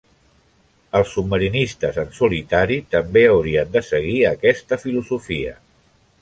Els submarinistes en solitari també haurien de seguir aquesta filosofia.